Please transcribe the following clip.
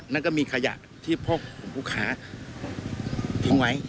นั่นก็มีขยะที่พวกกลุ่มผู้ค้าทิ้งไว้